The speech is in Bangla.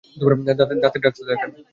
দাঁতের ডাক্তার দেখান।